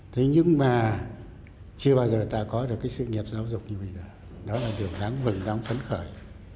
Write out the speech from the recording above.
thế nhưng mà chưa bao giờ ta có được cái sự nghiệp giáo dục như bây giờ đó là điều đáng mừng lắm phấn khởi